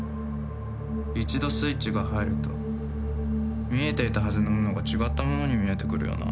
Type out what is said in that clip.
一度スイッチが入ると見えていたはずのものが違ったものに見えてくるよな。